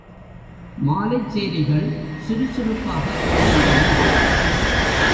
மாலைச் சேரிகள் சுருசுருப்பாக இயங்கின.